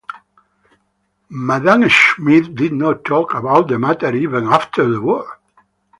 Madame Schmidt did not talk about the matter even after the war.